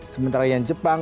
sementara yang jepang